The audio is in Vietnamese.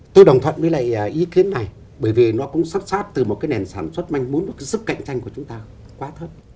tôi đồng thuận với lại ý kiến này bởi vì nó cũng sắp sát từ một cái nền sản xuất manh mún và cái sức cạnh tranh của chúng ta quá thấp